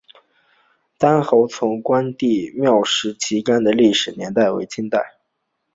单侯村关帝庙石旗杆的历史年代为清代。